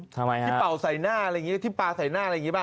ทำไมฮะที่เป่าใส่หน้าอะไรอย่างนี้ที่ปลาใส่หน้าอะไรอย่างนี้ป่